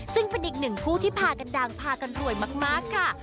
ซึ่งเป็นอีกหนึ่งคู่ที่พากันดังพากันรวยมากค่ะ